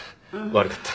悪かった。